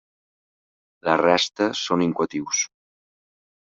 La resta són incoatius.